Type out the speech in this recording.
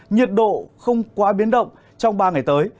nhiệt độ không quá biến động trong ba ngày tới